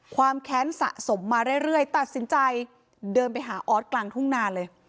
แค้นสะสมมาเรื่อยตัดสินใจเดินไปหาออสกลางทุ่งนาเลย